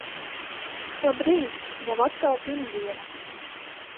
Labrīt. Jau atkal pirmdiena.